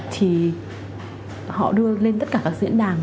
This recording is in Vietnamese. thì họ đưa lên tất cả các diễn đàn